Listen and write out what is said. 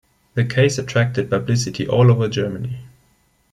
The case attracted publicity all over Germany.